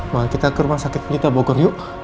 mari kita ke rumah sakit pelita bogor yuk